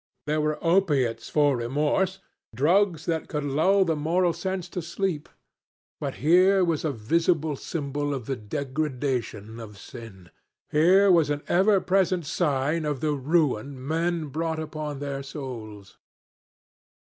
There were opiates for remorse, drugs that could lull the moral sense to sleep. But here was a visible symbol of the degradation of sin. Here was an ever present sign of the ruin men brought upon their souls.